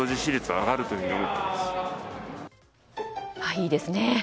いいですね！